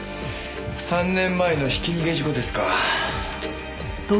３年前のひき逃げ事故ですか。